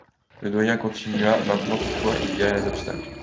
Le doyen continua :— Maintenant, toutefois, il y a un obstacle.